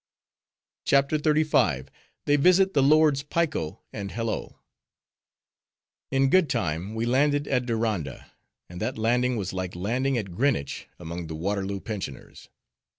'" CHAPTER XXXV. They Visit The Lords Piko And Hello In good time, we landed at Diranda. And that landing was like landing at Greenwich among the Waterloo pensioners.